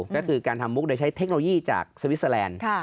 ก็คือการทำมุกโดยใช้เทคโนโลยีจากสวิสเตอร์แลนด์